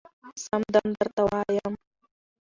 سم دم درته وايم